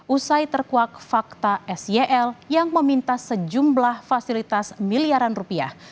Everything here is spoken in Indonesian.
usai terkuak fakta sel yang meminta sejumlah fasilitas miliaran rupiah